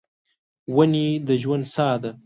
ونې د ژوند ساه ده.